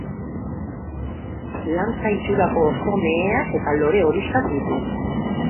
Lantza itxurako hosto meheak eta lore horixkak ditu.